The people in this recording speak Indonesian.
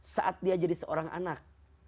saat dia jadi seorang anak